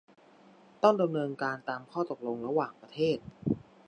ต้องดำเนินการตามข้อตกลงระหว่างประเทศ